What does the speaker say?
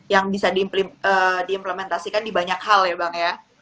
yang bisa diimplementasikan di banyak hal ya bang ya